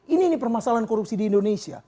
ini permasalahan korupsi di indonesia